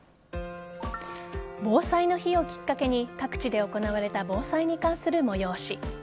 防災の日をきっかけに各地で行われた防災に関する催し。